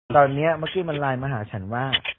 ตอนนี้เมื่อกี้มันไลน์มาหาฉันว่า